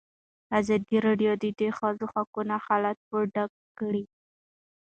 ازادي راډیو د د ښځو حقونه حالت په ډاګه کړی.